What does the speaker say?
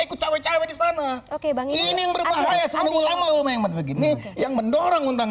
ikut cewek cewek di sana oke bang ini berbahaya sama ulama ulama yang begini yang mendorong undang